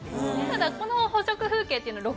ただこの捕食風景っていうのは。